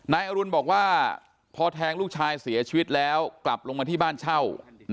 นายอรุณบอกว่าพอแทงลูกชายเสียชีวิตแล้วกลับลงมาที่บ้านเช่า